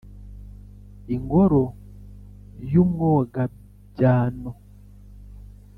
Ingoro y' Umwogabyano !